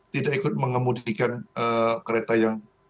tidak ikut mengemudikan kereta yang